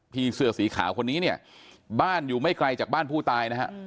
พี่เสื้อสีขาวคนนี้เนี่ยบ้านอยู่ไม่ไกลจากบ้านผู้ตายนะฮะ